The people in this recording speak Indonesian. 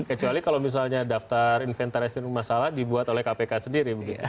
kecuali kalau misalnya daftar inventarisir masalah dibuat oleh kpk sendiri